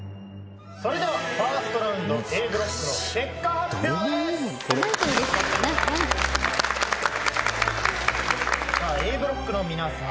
それではファーストラウンドＡブロックの結果発表ですさあＡブロックの皆さん